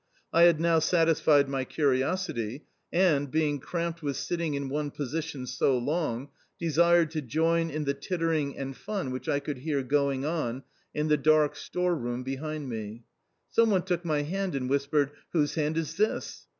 I had now satisfied my curiosity, and, being cramped with sitting in one position so long, desired to join in the tittering and fun which I could hear going on in the dark store room behind me. Some one took my hand and whispered, "Whose hand is this?"